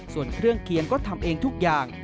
ส่วนเครื่องเคียงก็ทำเองทุกอย่าง